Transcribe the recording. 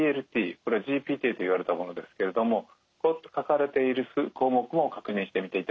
これはＧＰＴといわれたものですけれどもこう書かれている項目も確認してみていただきたいんですね。